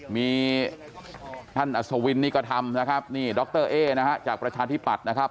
มีท่านอสวินนี่ก็ทำนะครับนี่ดรเอจากประชาณที่ปัดนะครับ